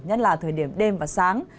nhất là thời điểm đêm và sáng